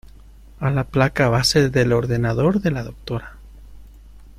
a la placa base del ordenador de la doctora.